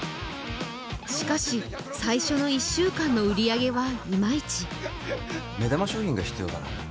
しかし最初の１週間の売上はイマイチ目玉商品が必要だな